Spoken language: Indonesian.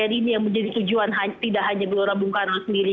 jadi di senayan ini yang menjadi tujuan tidak hanya gelora bung karno sendiri